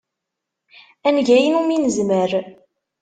Ad neg ayen umi nezmer.